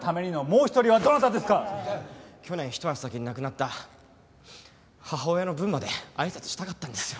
去年一足先に亡くなった母親の分まであいさつしたかったんですよ。